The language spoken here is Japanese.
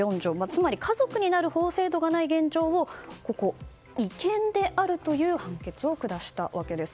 つまり家族になる法制度がない現状を違憲であるという判決を下したわけです。